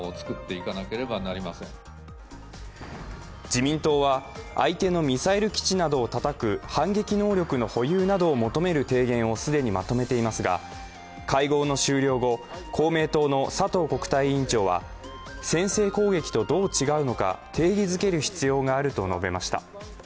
自民党は相手のミサイル基地などをたたく反撃能力の保有などを求める提言を既にまとめていますが会合の終了後、公明党の佐藤国対委員長は先制攻撃とどう違うのか、定義づける必要があると述べました。